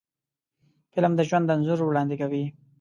فلم د ژوند انځور وړاندې کوي